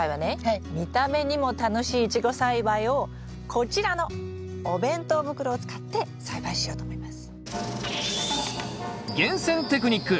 見た目にも楽しいイチゴ栽培をこちらのお弁当袋を使って栽培しようと思います。